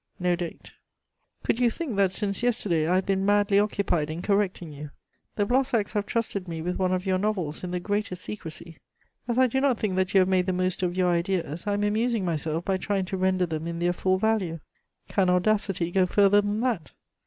(No date.) "Could you think that since yesterday I have been madly occupied in correcting you? The Blossacs have trusted me with one of your novels in the greatest secrecy. As I do not think that you have made the most of your ideas, I am amusing myself by trying to render them in their full value. Can audacity go further than that?